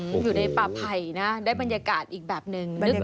อยู่ในป่าไผ่นะได้บรรยากาศอีกแบบนึง